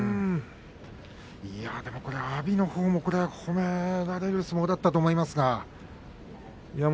阿炎も褒められる相撲だったと思いますけども。